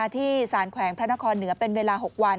ที่สารแขวงพระนครเหนือเป็นเวลา๖วัน